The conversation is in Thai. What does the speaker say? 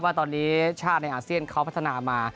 ว่าตอนนี้ชาติในอาเซียนเขาพัฒนามา